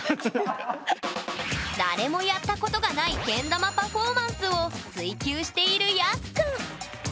誰もやったことがないけん玉パフォーマンスを追究しているＹＡＳＵくん。